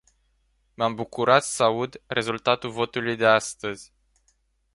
M-am bucurat să aud rezultatul votului de astăzi.